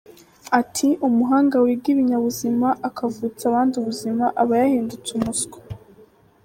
Ati “Umuhanga wiga ibinyabuzima akavutsa abandi ubuzima aba yahindutse umuswa.